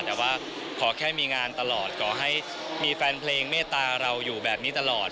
แต่ว่าขอแค่มีงานตลอดขอให้มีแฟนเพลงเมตตาเราอยู่แบบนี้ตลอด